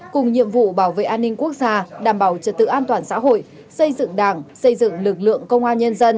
cùng nhiệm vụ bảo vệ an ninh quốc gia đảm bảo trật tự an toàn xã hội xây dựng đảng xây dựng lực lượng công an nhân dân